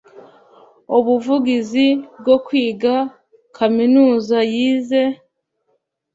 Ubuvugizi Bwo Kwiga Kaminuza Yize